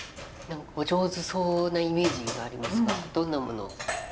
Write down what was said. お上手そうなイメージがありますがどんなものを？